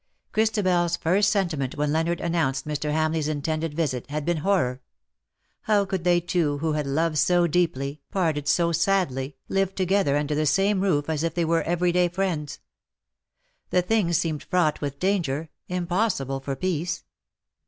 Christabel^s first sentiment when Leonard an nounced Mr. Hamleigh^s intended visit had been horror. How could they two who had loved so deeply, parted so sadly, live together under the same roof as if they were every day friends ? The thing seemed fraught with danger, impossible for peace.